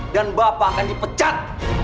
dan bapak akan dipecat